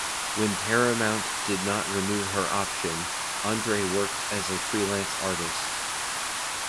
When Paramount did not renew her option, Andre worked as a freelance artist.